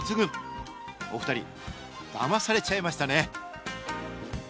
お二人騙されちゃいましたね